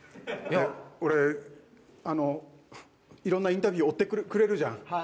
俺、色んなインタビュー追ってくれるじゃん。